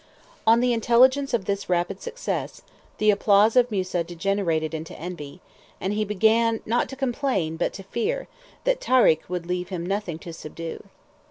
On the intelligence of this rapid success, the applause of Musa degenerated into envy; and he began, not to complain, but to fear, that Tarik would leave him nothing to subdue.